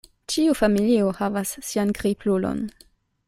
Ĉiu familio havas sian kriplulon.